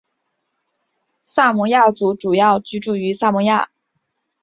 萨摩亚族主要居住于萨摩亚。